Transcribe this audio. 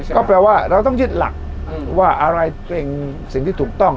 ก็แปลว่าเราต้องยึดหลักว่าอะไรเป็นสิ่งที่ถูกต้อง